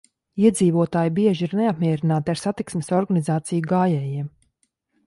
Iedzīvotāji bieži ir neapmierināti ar satiksmes organizāciju gājējiem.